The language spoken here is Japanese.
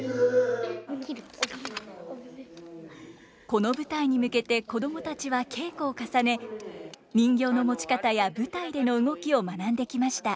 この舞台に向けて子供たちは稽古を重ね人形の持ち方や舞台での動きを学んできました。